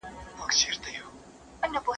ډاکټر ونه سو کولای چي ناروغي تشخیص کړي.